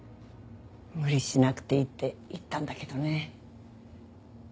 無理しなくていいって言ったんだけどね。